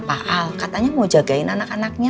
pak al katanya mau jagain anak anaknya